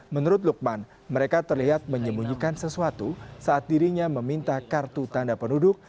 menurut lukman mereka terlihat menyembunyikan sesuatu saat dirinya meminta kartu tanda penduduk